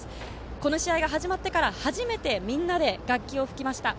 この試合が始まってから初めてみんなで楽器を吹きました。